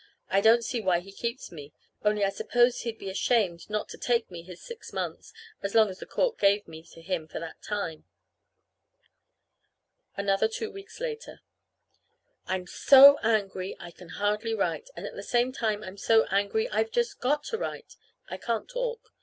I don't see why he keeps me, only I suppose he'd be ashamed not to take me his six months as long as the court gave me to him for that time. Another two weeks later. I'm so angry I can hardly write, and at the same time I'm so angry I've just got to write. I can't talk.